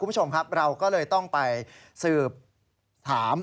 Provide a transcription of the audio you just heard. คุณผู้ชมครับเราก็เลยต้องไปสืบถาม